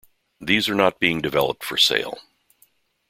These are not being developed for sale.